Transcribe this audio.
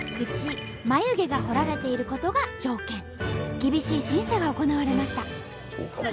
厳しい審査が行われました。